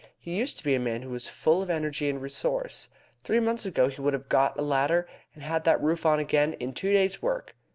He used to be a man who was full of energy and resource. Three months ago he would have got a ladder and had that roof on again in two days' work.